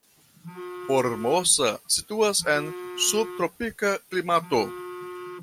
Formosa situas en subtropika klimato.